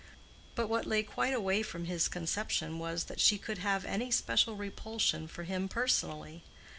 But what lay quite away from his conception was, that she could have any special repulsion for him personally.